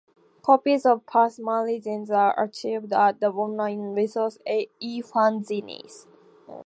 Copies of past "mailings" are archived at the online resource eFanzines.